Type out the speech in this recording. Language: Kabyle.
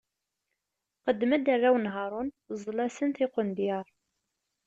Qeddem-d arraw n Haṛun, Ẓẓels-asen tiqendyar.